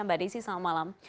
mbak desi selamat malam